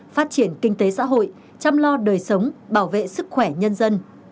phát triển kinh tế xã hội chăm lo đời sống bảo vệ sức khỏe nhân dân